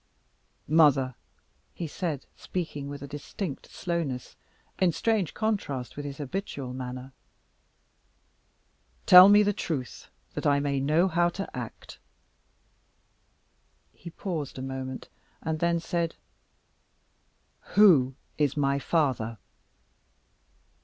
"Mother," he said, speaking with a distinct slowness, in strange contrast with his habitual manner, "tell me the truth, that I may know how to act." He paused a moment, and then said, "Who is my father?"